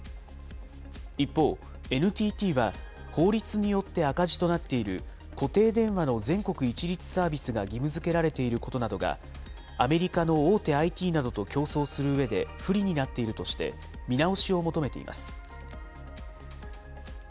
一方、ＮＴＴは、法律によって赤字となっている固定電話の全国一律サービスが義務づけられていることなどが、アメリカの大手ＩＴなどと競争するうえで不利になっているとして、見直しを求めています。